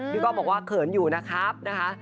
ก้องบอกว่าเขินอยู่นะครับนะคะ